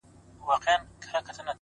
د حقیقت منل عقل ته ځواک ورکوي.!